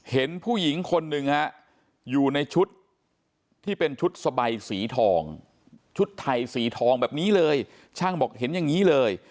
เห็นผู้หญิงคนหนึ่งฮะอยู่ในชุดที่เป็นชุดสบายสีทองชุดไทยสีทองแบบนี้เลยช่างบอกเห็นอย่างนี้เลย